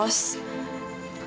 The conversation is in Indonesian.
dan tanpa masalah